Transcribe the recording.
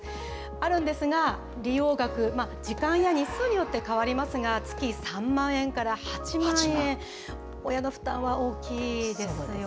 あるんですが、利用額、時間や日数によって変わりますが、月３万円から８万円、親の負担は大きいですよね。